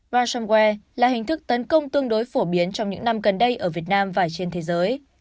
bransomware là hình thức tấn công tương đối phổ biến trong những năm gần đây ở việt nam và trên thế giới